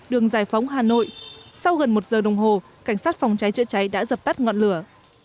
đường giải phóng hà nội sau gần một giờ đồng hồ cảnh sát phòng cháy chữa cháy đã dập tắt ngọn lửa